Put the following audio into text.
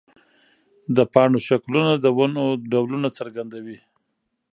د پاڼو شکلونه د ونو ډولونه څرګندوي.